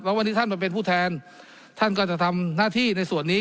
วันนี้ท่านมาเป็นผู้แทนท่านก็จะทำหน้าที่ในส่วนนี้